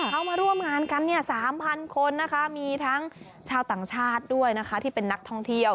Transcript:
เขามาร่วมงานกันเนี่ย๓๐๐คนนะคะมีทั้งชาวต่างชาติด้วยนะคะที่เป็นนักท่องเที่ยว